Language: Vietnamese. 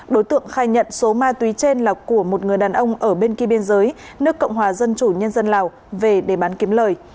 đối tượng khai nhận số ma túy trên là của một người đàn ông ở bên kia biên giới nước cộng hòa dân chủ nhân dân lào về để bán kiếm lời